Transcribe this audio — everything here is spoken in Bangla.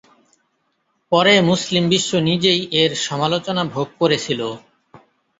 পরে মুসলিম বিশ্ব নিজেই এর সমালোচনা ভোগ করেছিলো।